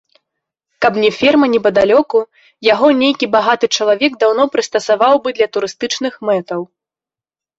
Каб не ферма непадалёку, яго нейкі багаты чалавек даўно прыстасаваў бы для турыстычных мэтаў.